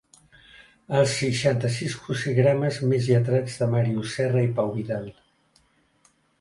Els seixanta-sis crucigrames més lletrats de Màrius Serra i Pau Vidal.